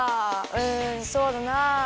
うんそうだな。